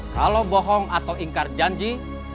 kalau bohong atau ingkar janji